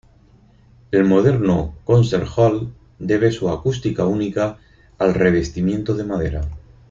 El moderno Concert Hall debe su acústica única al revestimiento de madera.